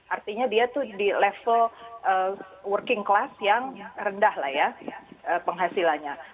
artinya dia tuh di level working class yang rendah lah ya penghasilannya